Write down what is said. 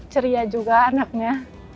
ceria juga anaknya